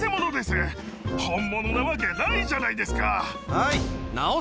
はい。